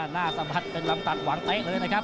สะบัดเป็นลำตัดหวังเต๊ะเลยนะครับ